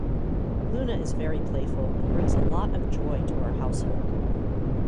Luna is very playful and brings a lot of joy to our household.